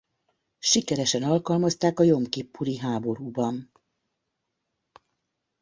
Sikeresen alkalmazták a jom kippuri háborúban.